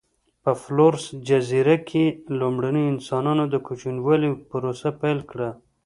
په فلورس جزیره کې لومړنیو انسانانو د کوچنیوالي پروسه پیل کړه.